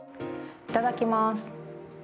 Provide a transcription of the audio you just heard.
いただきます。